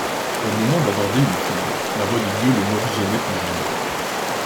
Au moment d'aborder une fille, la voix de Dieu le morigénait toujours.